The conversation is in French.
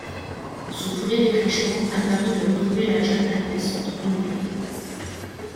Son premier déclenchement a permis de retrouver la jeune adolescente enlevée.